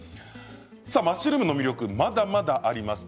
マッシュルームの魅力まだまだあります。